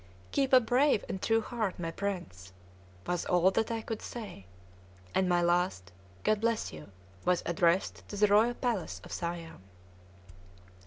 "Keep a brave and true heart, my prince!" was all that I could say; and my last "God bless you!" was addressed to the royal palace of Siam.